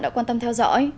đã quan tâm theo dõi